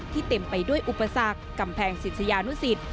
เต็มไปด้วยอุปสรรคกำแพงศิษยานุสิต